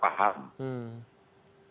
kapan dia harus fungsi